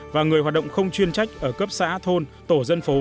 và người hoạt động không chuyên trách ở cấp xã thôn tổ dân phố